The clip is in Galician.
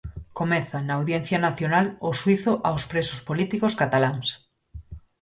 Comeza na Audiencia Nacional o xuízo aos presos políticos cataláns.